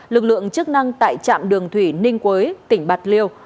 lực lượng chức năng tại trạm đường thủy ninh quế tỉnh bạc liêu